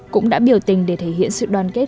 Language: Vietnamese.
cũng đã biểu tình để thể hiện sự đoàn kết